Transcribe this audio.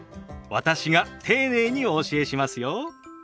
私が丁寧にお教えしますよ。